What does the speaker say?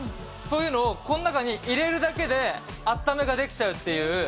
そういうのを、この中に入れるだけであっためができちゃうっていう。